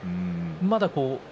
まだ。